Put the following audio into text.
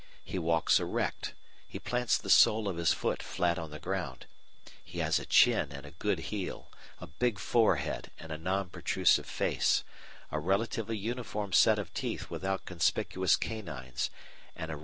He walks erect, he plants the sole of his foot flat on the ground, he has a chin and a good heel, a big forehead and a non protrusive face, a relatively uniform set of teeth without conspicuous canines, and a relatively naked body.